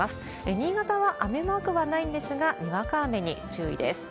新潟は雨マークはないんですが、にわか雨に注意です。